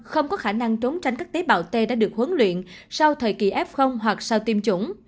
không có khả năng trốn tránh các tế bào t đã được huấn luyện sau thời kỳ f hoặc sau tiêm chủng